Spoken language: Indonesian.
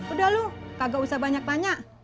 udah lu kagak usah banyak tanya